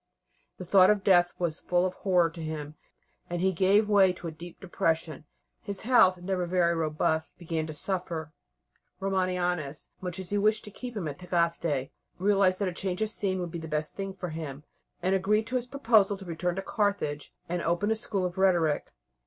The thought of death was full of horror to him, and he gave way to a deep depression. His health, never very robust, began to suffer. Romanianus, much as he wished to keep him at Tagaste, realized that a change of scene would be the best thing for him, and agreed to his proposal to return to Carthage and open a school of rhetoric.